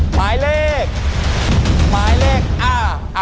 หมายเลข๗ครับ